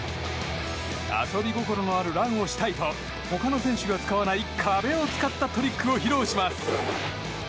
遊び心のあるランをしたいと他の選手が使わない壁を使ったトリックを披露します。